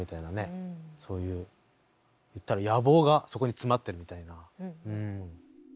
そういう言ったら野望がそこに詰まってるみたいな。